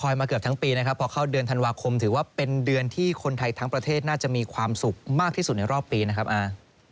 มาเกือบทั้งปีนะครับพอเข้าเดือนธันวาคมถือว่าเป็นเดือนที่คนไทยทั้งประเทศน่าจะมีความสุขมากที่สุดในรอบปีนะครับ